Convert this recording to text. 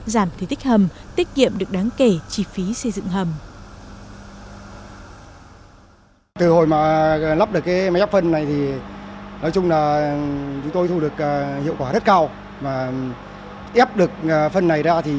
giảm thể tích hầm tiết kiệm được đáng kể chi phí xây dựng hầm